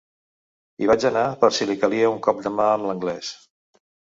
Hi vaig anar per si li calia un cop de mà amb l'anglès.